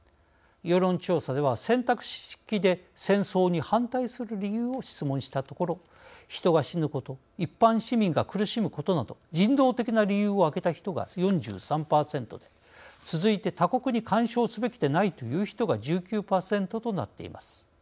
世論調査では選択式で戦争に反対する理由を質問したところ人が死ぬこと一般市民が苦しむことなど人道的な理由を挙げた人が４３％で続いて、他国に干渉すべきでないという人が１９％となっています。